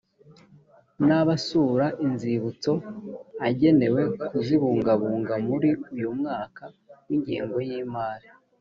n abasura inzibutso agenewe kuzibungabunga muri uyu mwaka w ingengo y imari